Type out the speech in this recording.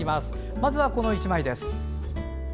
まずは、この１枚です。